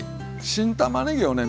新たまねぎをね